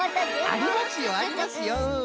ありますよありますよ。